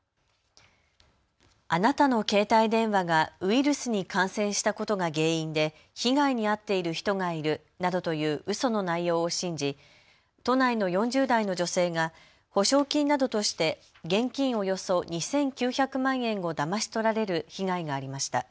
あなたの携帯電話がウイルスに感染したことが原因で被害に遭っている人がいるなどといううその内容を信じ都内の４０代の女性が補償金などとして現金およそ２９００万円をだまし取られる被害がありました。